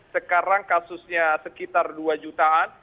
sekarang kasusnya sekitar dua jutaan